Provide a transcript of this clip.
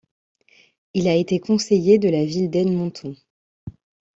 Il a été conseiller de la ville d'Edmonton.